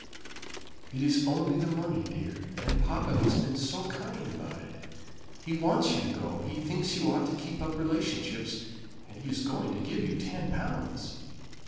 "It is only the money, dear. And papa has been so kind about it. He wants you to go; he thinks you ought to keep up relationships; and he is going to give you ten pounds."